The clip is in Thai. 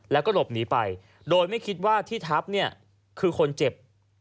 แล้วก็หลบหนีไปโดยไม่คิดว่าที่ทับเนี่ยคือคนเจ็บ